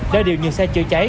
đòi điều nhiều xe chữa cháy